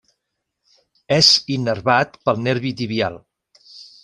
És innervat pel nervi tibial.